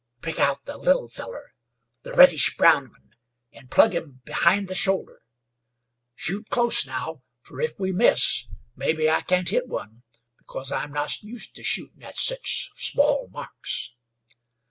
"Pick out the little fellar the reddish brown one an' plug him behind the shoulder. Shoot close now, fer if we miss, mebbe I can't hit one, because I'm not used to shootin' at sich small marks."